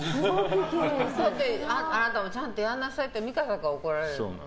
あなたもちゃんとやりなさいって美川さんから怒られる。